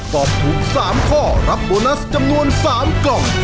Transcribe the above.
ตอบถูก๓ข้อรับโบนัสจำนวน๓กล่อง